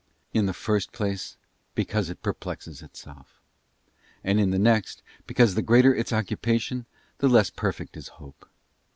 In the first place, because it perplexes itself; and in the next, because the greater its occupation the less perfect is hope.